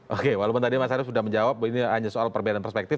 oke walaupun tadi mas arief sudah menjawab ini hanya soal perbedaan perspektif